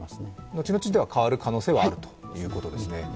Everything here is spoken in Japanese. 後々変わる可能性はあるということですね。